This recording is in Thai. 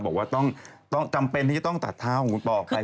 บอกว่าจำเป็นต้องตัดเท้าคุณปอล์ออกไป